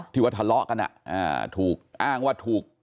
ที่ว่าทะเลาะกันถูกอ้างว่าถูก